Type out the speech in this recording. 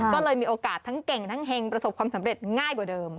ก็เลยมีโอกาสทั้งเก่งทั้งเฮงประสบความสำเร็จง่ายกว่าเดิม